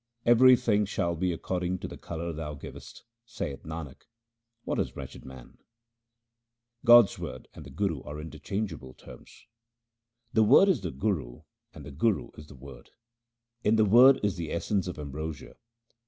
Everything shall be according to the colour Thou givest ; saith Nanak, what is wretched man ? God's word and the Guru are interchangeable terms :— The Word is the Guru and the Guru is the Word ; in the Word is the essence of ambrosia.